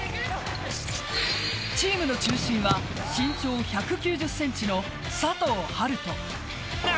チームの中心は身長１９０ｃｍの佐藤遥斗。